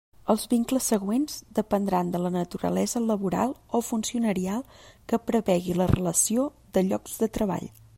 Els vincles següents dependran de la naturalesa laboral o funcionarial que prevegi la relació de llocs de treball.